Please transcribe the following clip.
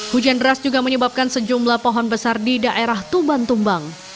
hujan deras juga menyebabkan sejumlah pohon besar di daerah tuban tumbang